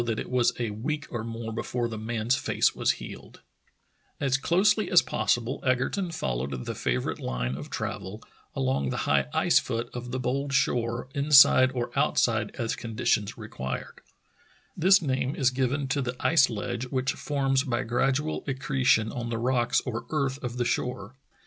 In my own expedition it was once suggested The Saving of Petersen 221 As closely as possible Egerton followed the favorite line of travel, along the high ice foot of the bold shore, inside or outside as conditions required. This name is given to the ice ledge which forms by gradual accre tion on the rocks or earth of the shore.